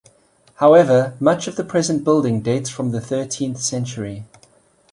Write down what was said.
However, much of the present building dates from the thirteenth century.